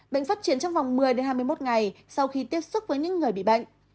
bệnh phát triển trong vòng một mươi hai mươi một ngày sau khi tiếp xúc với những người bị bệnh